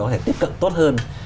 có thể tiếp cận tốt hơn